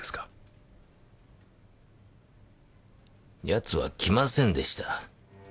奴は来ませんでした。